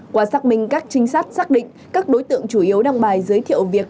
qua xác minh các trinh sát xác định các đối tượng chủ yếu đăng bài giới thiệu việc